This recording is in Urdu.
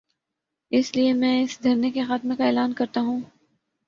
اس لیے میں اس دھرنے کے خاتمے کا اعلان کر تا ہوں۔